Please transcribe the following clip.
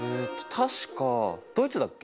確かドイツだっけ？